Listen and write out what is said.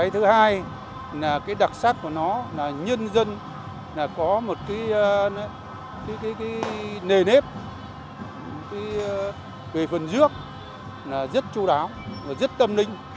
thứ hai là đặc sắc của nó là nhân dân có một nề nếp về phần dước rất chú đáo rất tốt